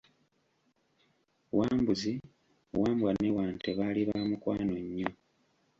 Wambuzi, Wambwa ne Wante baali ba mukwano nnyo.